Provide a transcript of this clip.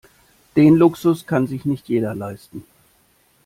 Den Luxus kann sich nicht jeder leisten.